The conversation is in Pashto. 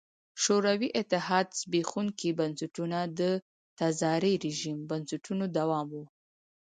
شوروي اتحاد زبېښونکي بنسټونه د تزاري رژیم بنسټونو دوام و.